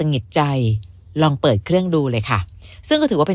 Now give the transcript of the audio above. หงิดใจลองเปิดเครื่องดูเลยค่ะซึ่งก็ถือว่าเป็น